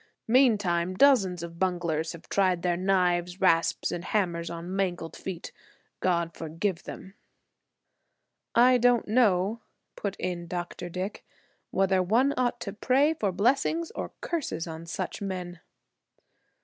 Meantime, dozens of bunglers have tried their knives, rasps and hammers on mangled feet. God forgive them!" "I don't know," put in Dr. Dick, "whether one ought to pray for blessings or curses on such men."